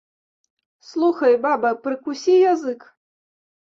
Слухай, баба, прыкусі язык.